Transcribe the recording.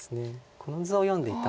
この図を読んでいたんです。